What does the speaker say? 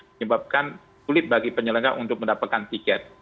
menyebabkan sulit bagi penyelenggara untuk mendapatkan tiket